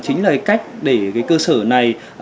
chính là cách để cơ sở này